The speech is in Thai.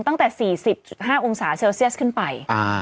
ตั้งแต่๔๐๕องศาเซลเซียสขึ้นไป